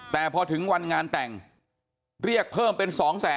แต่พอถึงวันงานแต่งเรียกเพิ่มเป็น๒๐๐๐